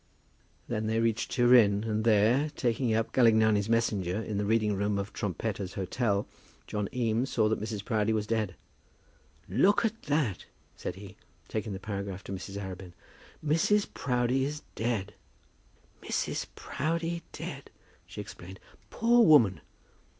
Then they reached Turin, and there, taking up "Galignani's Messenger" in the reading room of Trompetta's Hotel, John Eames saw that Mrs. Proudie was dead. "Look at that," said he, taking the paragraph to Mrs. Arabin; "Mrs. Proudie is dead!" "Mrs. Proudie dead!" she exclaimed. "Poor woman!